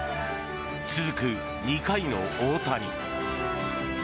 続く２回の大谷。